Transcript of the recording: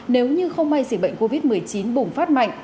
nếu như không may dịch bệnh covid một mươi chín bùng phát mạnh